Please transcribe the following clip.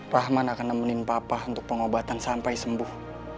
rahman akan nemenin papa untuk pengobatan sampai sembuh